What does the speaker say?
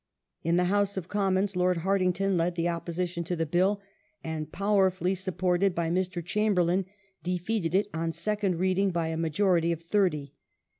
In the House of Commons Lord Hartington led the opposition to the Bill, and powerfully supported by Mr. Chamberlain, defeated it on Second Reading by a majority of thirty.